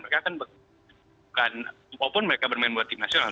mereka kan bukan walaupun mereka bermain buat tim nasional